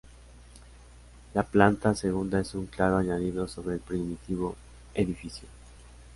La planta segunda es un claro añadido sobre el primitivo edificio.